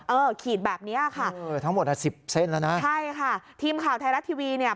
เออขีดแบบนี้ค่ะใช่ค่ะทีมข่าวไทยรัฐทีวี